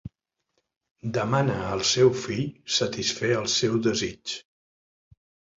Demana al seu fill satisfer el seu desig.